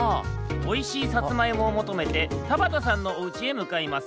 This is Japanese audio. おいしいさつまいもをもとめて田畑さんのおうちへむかいます